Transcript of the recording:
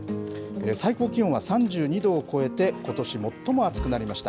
最高気温は３２度を超えて、ことし最も暑くなりました。